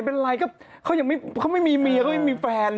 ก็ไม่เห็นเป็นไรเขาไม่มีเมียเขาไม่มีแฟน